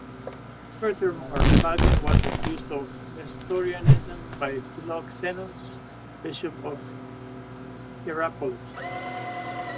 Furthermore, Flavian was accused of Nestorianism by Philoxenus, Bishop of Hierapolis.